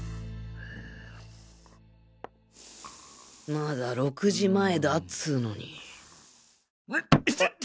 まだ６時前だっつうのにいてっ！